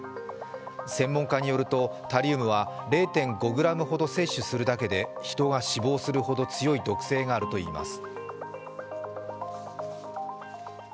専門家によると、タリウムは０．５ｇほど摂取するだけで人が死亡するほど強い毒性があるといいます。